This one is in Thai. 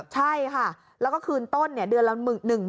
ใช่ค่ะแล้วก็คืนต้นเดือนละ๑๐๐๐